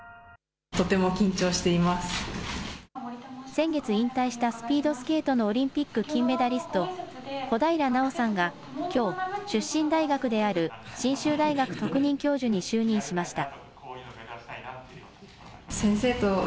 先月引退したスピードスケートのオリンピック金メダリスト、小平奈緒さんがきょう、出身大学である信州大学特任教授に就任しました。